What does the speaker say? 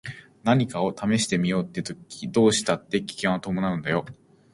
何かを試してみようって時どうしたって危険は伴うんだよ。